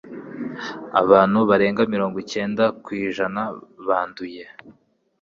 Abantu barenga mirongo icyenda ku ijana banduye